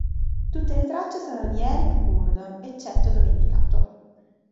Tutte le tracce sono di Eric Burdon eccetto dove indicato.